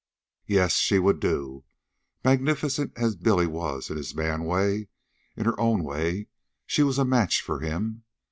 Yes, she would do. Magnificent as Billy was in his man way, in her own way she was a match for him.